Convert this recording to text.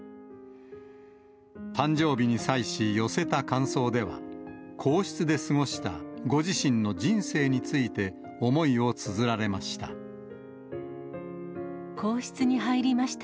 誕生日に際し、寄せた感想では、皇室で過ごしたご自身の人生について思いをつづられました。